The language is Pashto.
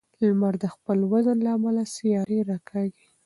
لمر د خپل وزن له امله سیارې راکاږي.